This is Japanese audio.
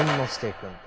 君。